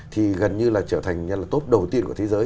thì gần như là trở thành tốt đầu tiên của thế giới